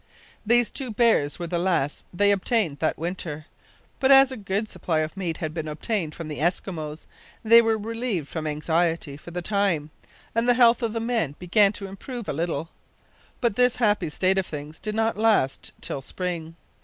These two bears were the last they obtained that winter; but as a good supply of meat had been obtained from the Eskimos, they were relieved from anxiety for the time, and the health of the men began to improve a little. But this happy state of things did not last till spring.